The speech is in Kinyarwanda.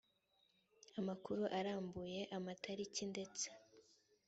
amakuru arambuye amatariki ndetse